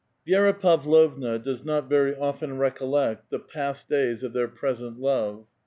ViERA Pavlovna does not very often recollect the past 'days of their present love.